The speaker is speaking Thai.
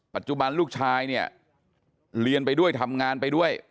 ปัจจุบันลูกชายเนี่ยเรียนไปด้วยทำงานไปด้วย